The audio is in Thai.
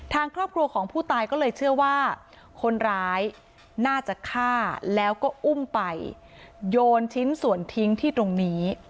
ทางครอบครัวของผู้ตายก็เลยเชื่อว่าคนร้ายน่าจะฆ่าแล้วก็อุ้มไปโยนชิ้นส่วนทิ้งที่ตรงนี้